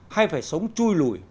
hay phải sống chui lùi